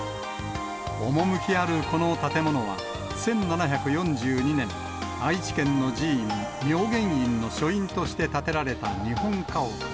趣あるこの建物は、１７４２年、愛知県の寺院、明眼院の書院として建てられた日本家屋。